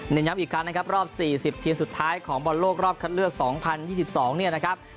ย้ำอีกครั้งนะครับรอบ๔๐ทีมสุดท้ายของบอลโลกรอบคัดเลือก๒๐๒๒เนี่ยนะครับ